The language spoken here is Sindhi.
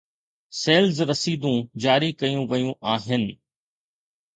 سيلز رسيدون جاري ڪيون ويون آهن.